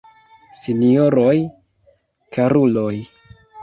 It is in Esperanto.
Sinjoroj, karuloj!